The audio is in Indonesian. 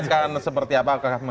yang tradisi yang tapi disuai